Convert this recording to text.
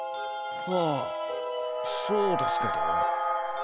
はあそうですけど。